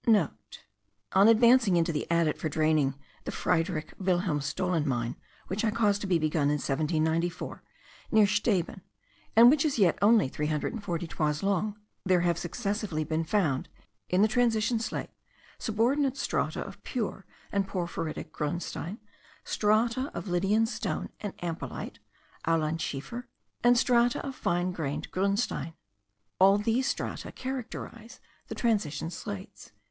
*(* On advancing into the adit for draining the Friedrich Wilhelmstollen mine, which I caused to be begun in 1794, near Steben, and which is yet only 340 toises long, there have successively been found, in the transition slate subordinate strata of pure and porphyritic grunstein, strata, of Lydian stone and ampelite (alaunschiefer), and strata of fine grained grunstein. All these strata characterise the transition slates.)